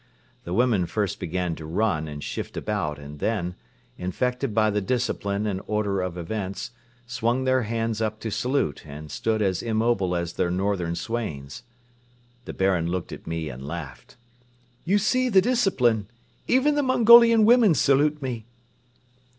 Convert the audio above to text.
The women first began to run and shift about and then, infected by the discipline and order of events, swung their hands up to salute and stood as immobile as their northern swains. The Baron looked at me and laughed: "You see the discipline! Even the Mongolian women salute me."